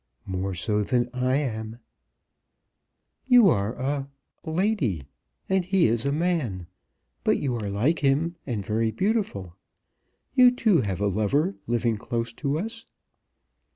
"More so than I am." "You are a lady, and he is a man. But you are like him, and very beautiful. You, too, have a lover, living close to us?"